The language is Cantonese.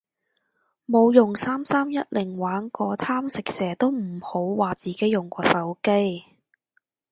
冇用三三一零玩過貪食蛇都唔好話自己用過手機